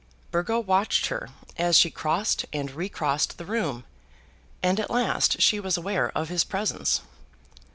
Burgo watched her as she crossed and re crossed the room, and at last she was aware of his presence.